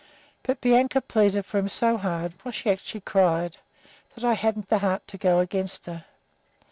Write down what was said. But Bianca pleaded for him so hard why, she actually cried that I hadn't the heart to go against her.